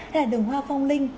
hay là đường hoa phong linh